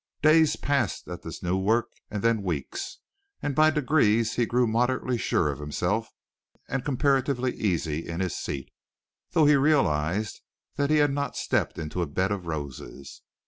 Days passed at this new work and then weeks, and by degrees he grew moderately sure of himself and comparatively easy in his seat, though he realized that he had not stepped into a bed of roses.